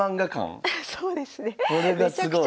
このそうですね。